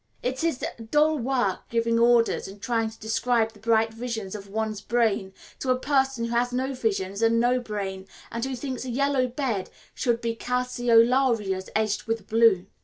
It is dull work giving orders and trying to describe the bright visions of one's brain to a person who has no visions and no brain, and who thinks a yellow bed should be calceolarias edged with blue.